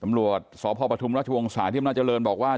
ตำรวจสพปทุมราชวงศาที่อำนาจริงบอกว่า